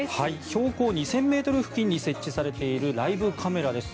標高２０００ｍ付近に設置されているライブカメラです。